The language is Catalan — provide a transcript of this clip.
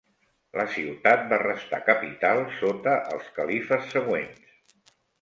La ciutat va restar capital sota els califes següents.